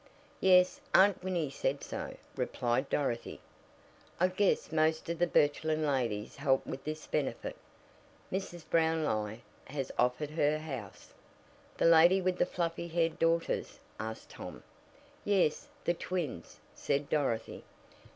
"Yes, Aunt Winnie said so," replied Dorothy. "I guess most of the Birchland ladles help with this benefit. Mrs. Brownlie has offered her house." "The lady with the fluffy haired daughters?" asked Tom. "Yes, the twins," said Dorothy.